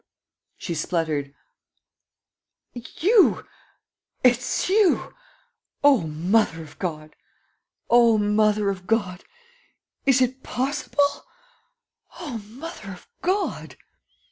She spluttered: "You! It's you! O mother of God! ... O mother of God! ... Is it possible! ... O mother of God!